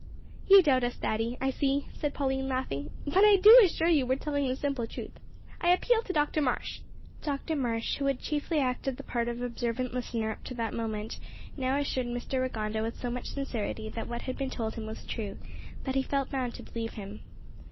"You doubt us, daddy, I see," said Pauline, laughing; "but I do assure you we are telling you the simple truth. I appeal to Dr Marsh." Dr Marsh, who had chiefly acted the part of observant listener up to that moment, now assured Mr Rigonda with so much sincerity that what had been told him was true, that he felt bound to believe him.